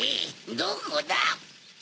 どこだ？